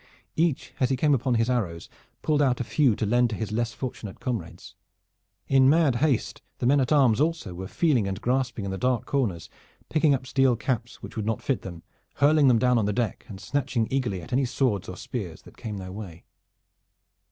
Each as he came upon his arrows pulled out a few to lend to his less fortunate comrades. In mad haste the men at arms also were feeling and grasping in the dark corners, picking up steel caps which would not fit them, hurling them down on the deck, and snatching eagerly at any swords or spears that came their way.